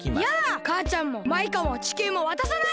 かあちゃんもマイカも地球もわたさない！